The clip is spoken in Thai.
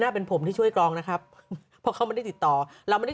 เป็นผมที่ช่วยกรองนะครับเพราะเขาไม่ได้ติดต่อเราไม่ได้